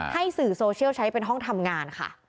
สื่อโซเชียลใช้เป็นห้องทำงานค่ะ